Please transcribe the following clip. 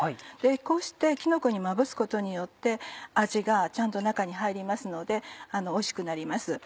こうしてキノコにまぶすことによって味がちゃんと中に入りますのでおいしくなります。